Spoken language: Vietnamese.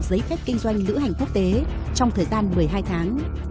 giấy phép kinh doanh lữ hành quốc tế trong thời gian một mươi hai tháng